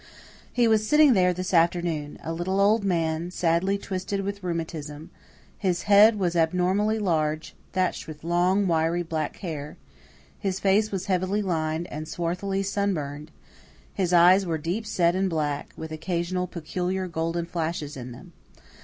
He was sitting there this afternoon a little old man, sadly twisted with rheumatism; his head was abnormally large, thatched with long, wiry black hair; his face was heavily lined and swarthily sunburned; his eyes were deep set and black, with occasional peculiar golden flashes in them.